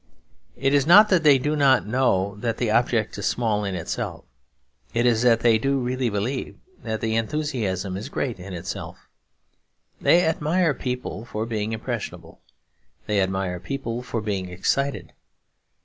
It is not that they do not know that the object is small in itself; it is that they do really believe that the enthusiasm is great in itself. They admire people for being impressionable. They admire people for being excited.